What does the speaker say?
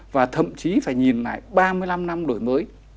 và thậm chí phải nhìn lại ba mươi năm năm đổi mới